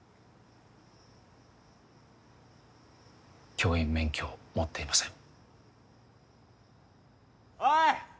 教員免許を持っていませんおい